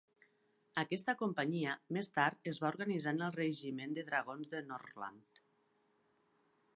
Aquesta companyia més tard es va organitzar en el regiment de dragons de Norrland.